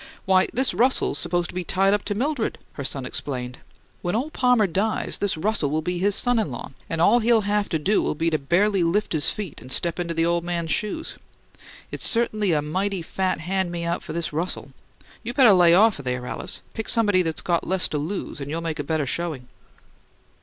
"Why, this Russell's supposed to be tied up to Mildred," her son explained. "When ole Palmer dies this Russell will be his son in law, and all he'll haf' to do'll be to barely lift his feet and step into the ole man's shoes. It's certainly a mighty fat hand me out for this Russell! You better lay off o' there, Alice. Pick somebody that's got less to lose and you'll make better showing."